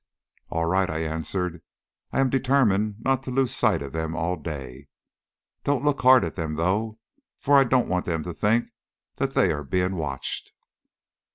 "All right," I answered; "I am determined not to lose sight of them all day. Don't look hard at them, though, for I don't want them to think that they are being watched."